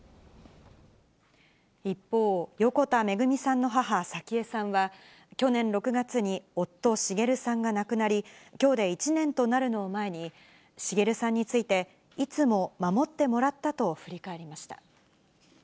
一方、横田めぐみさんの母、早紀江さんは、去年６月に夫、滋さんが亡くなり、きょうで１年となるのを前に、滋さんについて、いつも守ってもらったと振り返りました。